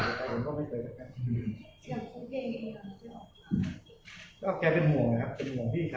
สามารถวิ่งบ้านอยู่ไม่น่าจะเป็นบวกแบบนี้